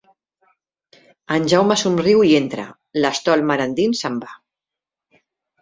En Jaume somriu i hi entra; l’estol mar endins se'n va.